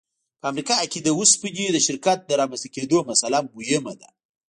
په امریکا کې د اوسپنې د شرکت د رامنځته کېدو مسأله مهمه ده